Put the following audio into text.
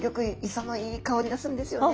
磯のいい香りがするんですよね。